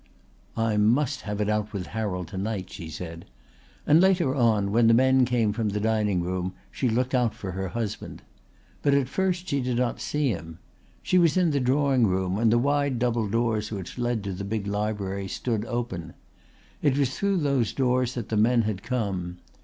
"I must have it out with Harold to night," she said, and later on, when the men came from the dining room, she looked out for her husband. But at first she did not see him. She was in the drawing room and the wide double doors which led to the big library stood open. It was through those doors that the men had come.